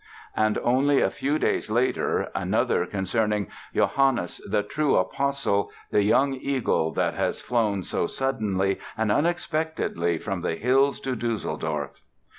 And only a few days later, another concerning "Johannes the true Apostle—the young eagle that has flown so suddenly and unexpectedly from the hills to Düsseldorf...."